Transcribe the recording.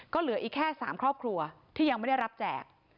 ก็เหลืออีกแค่๓ครอบครัวที่ยังไม่ได้รับแจก